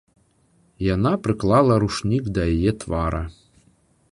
Яна прыклала ручнік да яе твара.